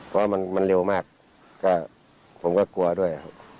เพราะมันเร็วมากผมก็กลัวด้วย